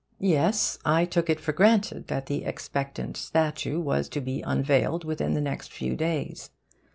Yes, I took it for granted that the expectant statue was to be unveiled within the next few days.